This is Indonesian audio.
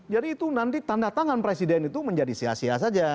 jadi itu nanti tanda tangan presiden itu menjadi sia sia saja